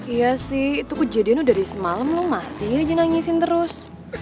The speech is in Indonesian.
iya sih itu kejadiannya dari semalam masih aja nangisin terus